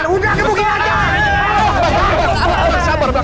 udah gebukin aja